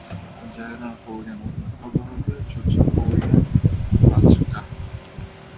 • Jayron quvigan o‘tloqqa boradi, cho‘chqa quvigan balchiqqa.